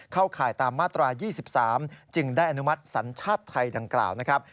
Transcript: ข่ายตามมาตรา๒๓จึงได้อนุมัติสัญชาติไทยดังกล่าวนะครับ